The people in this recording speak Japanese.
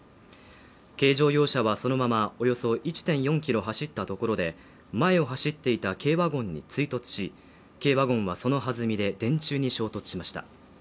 軽乗用車はそのままおよそ１．４ｋｍ走ったところで前を走っていた軽ワゴンに追突し、軽ワゴンはその弾みで電柱に衝突しました。